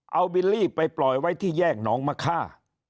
เอาบิลลี่ไปปล่อยไว้ที่แยกหนองมะค่า